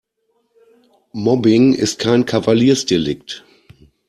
Mobbing ist kein Kavaliersdelikt.